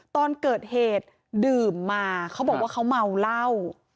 ตอนเกิดเหตุดื่มมาเขาบอกว่าเขาเมาเหล้า